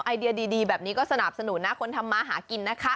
ไอเดียดีแบบนี้ก็สนับสนุนนะคนทำมาหากินนะคะ